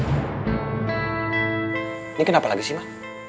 ini kenapa lagi sih mas